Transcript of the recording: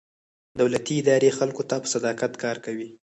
دولتي ادارې خلکو ته په صداقت کار کوي.